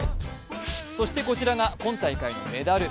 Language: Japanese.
そしてこちらが今大会のメダル。